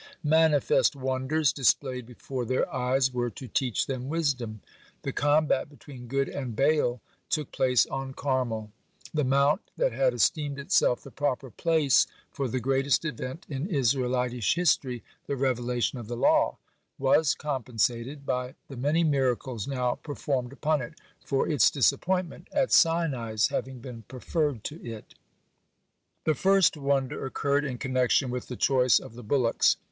Manifest wonders displayed before their eyes were to teach them wisdom. The combat between God and Baal took place on Carmel. The mount that had esteemed itself the proper place for the greatest event in Israelitish history, the revelation of the law, was compensated, by the many miracles now performed upon it, for its disappointment at Sinai's having been preferred to it. (13) The first wonder occurred in connection with the choice of the bullocks.